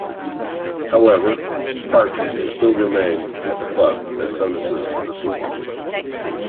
However, Parkes still remained at the club as Souness's assistant.